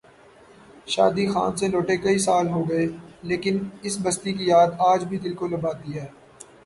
شادی خان سے لوٹے کئی سال ہو گئے لیکن اس بستی کی یاد آج بھی دل کو لبھاتی ہے۔